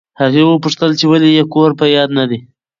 هغوی پوښتل چې ولې یې کور په یاد نه دی.